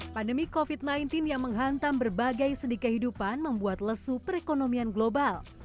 pandemi covid sembilan belas yang menghantam berbagai sendi kehidupan membuat lesu perekonomian global